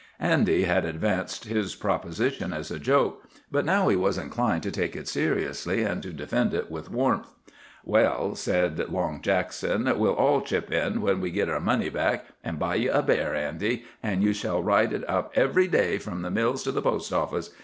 Andy had advanced his proposition as a joke, but now he was inclined to take it seriously and to defend it with warmth. "Well," said Long Jackson, "we'll all chip in, when we git our money back, an' buy ye a bear, Andy, an' ye shall ride it up every day from the mills to the post office.